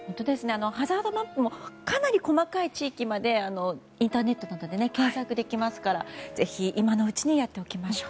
ハザードマップもかなり細かい地域までインターネットとかで検索できますからぜひ、今のうちにやっておきましょう。